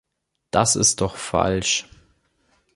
Das ist doch falsch!